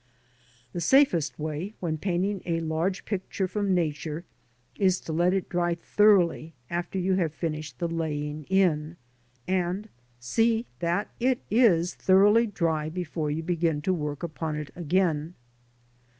The safest way, when painting a large picture from Nature, is to let it dry thoroughly after you have finished the laying in, and see that it is thoroughly dry before you begin to work upon it again.